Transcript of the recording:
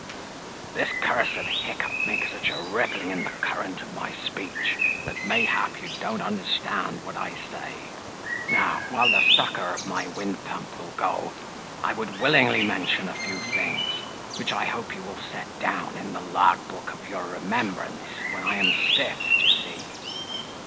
This cursed hiccup makes such a rippling in the current of my speech, that mayhap you don't understand what I say. Now, while the sucker of my wind pump will go, I would willingly mention a few things, which I hope you will set down in the log book of your remembrance, when I am stiff, d'ye see.